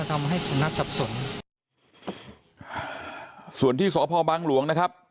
ทำให้สุนัขสับสนส่วนที่สพบังหลวงนะครับ